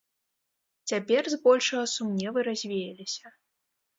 Цяпер збольшага сумневы развеяліся.